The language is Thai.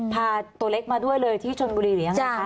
พาตัวเล็กมาด้วยเลยที่ชนบุรีหรือยังไงคะ